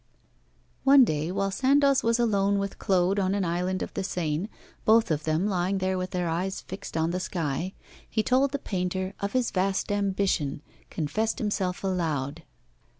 One day, while Sandoz was alone with Claude on an island of the Seine, both of them lying there with their eyes fixed on the sky, he told the painter of his vast ambition, confessed himself aloud.